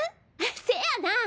せやな！